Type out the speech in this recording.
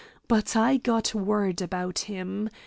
But I got word about him.